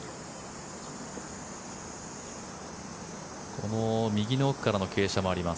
この右の奥からの傾斜もあります。